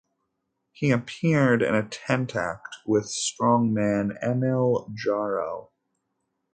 He appeared in a tent act with strongman Emil Jarrow.